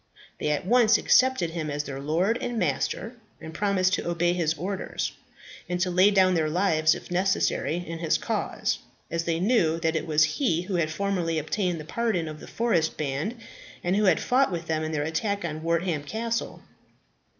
They at once accepted him as their lord and master, and promised to obey his orders, and to lay down their lives, if necessary, in his cause, as they knew that it was he who had formally obtained the pardon of the forest band, and who had fought with them in their attack on Wortham Castle.